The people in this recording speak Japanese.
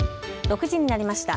６時になりました。